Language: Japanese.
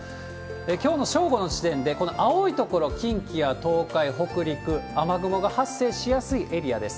きょうの正午の時点で、この青い所、近畿や東海、北陸、雨雲が発生しやすいエリアです。